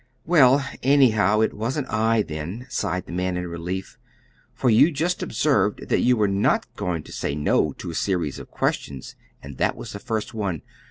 "Well, anyhow, it wasn't I, then," sighed the man in relief; "for you just observed that you were not going to say 'no to a series of questions' and that was the first one.